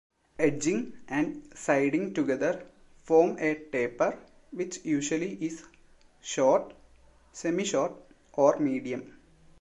Edging and siding together form a taper which usually is short, semi-short or medium.